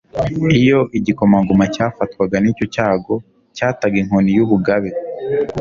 Iyo igikomangoma cyafatwaga n'icyo cyago, cyataga inkoni y'ubugabe,